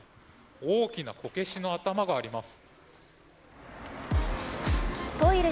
大きなこけしの頭があります。